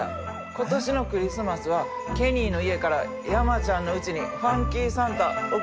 今年のクリスマスはケニーの家から山ちゃんのうちにファンキーサンタ送り込んだろか？